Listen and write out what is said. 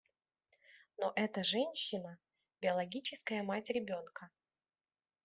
Но эта женщина – биологическая мать ребенка.